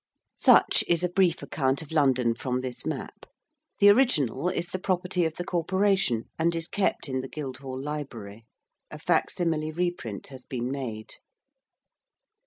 Such is a brief account of London from this map. The original is the property of the Corporation and is kept in the Guildhall Library. A facsimile reprint has been made.